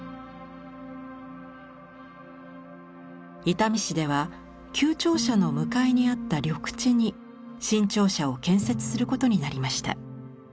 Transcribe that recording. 伊丹市では旧庁舎の向かいにあった緑地に新庁舎を建設することになりました。